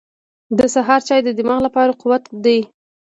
• د سهار چای د دماغ لپاره قوت دی.